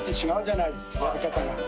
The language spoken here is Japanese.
やり方が。